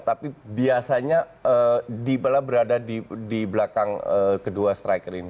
tapi biasanya dybala berada di belakang kedua striker ini